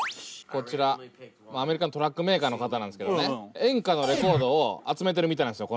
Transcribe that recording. こちらアメリカのトラックメーカーの方なんですけどね演歌のレコードを集めてるみたいなんですよ